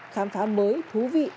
khám phá mới thú vị